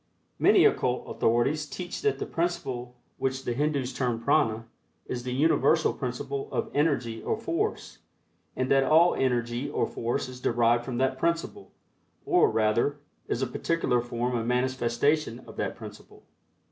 Many occult authorities teach that the principle which the Hindus term "Prana" is the universal principle of energy or force, and that all energy or force is derived from that principle, or, rather, is a particular form of manifestation of that principle.